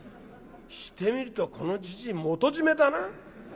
してみるとこのじじい元締めだな？